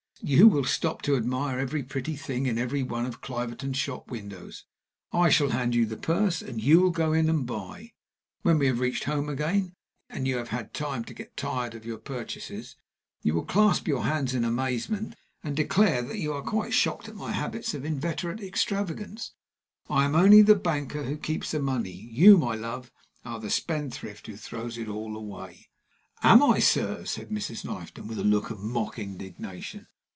"You will stop to admire every pretty thing in every one of the Cliverton shop windows; I shall hand you the purse, and you will go in and buy. When we have reached home again, and you have had time to get tired of your purchases, you will clasp your hands in amazement, and declare that you are quite shocked at my habits of inveterate extravagance. I am only the banker who keeps the money; you, my love, are the spendthrift who throws it all away!" "Am I, sir?" said Mrs. Knifton, with a look of mock indignation.